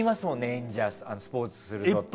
演者スポーツする人って。